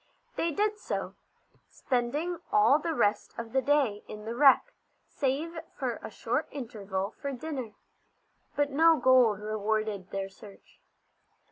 They did so, spending all the rest of the day in the wreck, save for a short interval for dinner. But no gold rewarded their search.